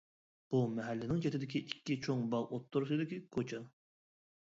بۇ مەھەللىنىڭ چېتىدىكى ئىككى چوڭ باغ ئوتتۇرىسىدىكى كوچا.